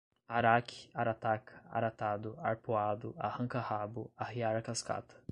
araque, arataca, aratado, arpuado, arranca rabo, arrear a cascata